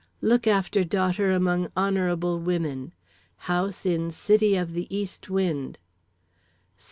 "Look after daughter among honorable women. House in City of the East Wind.